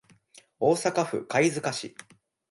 大阪府貝塚市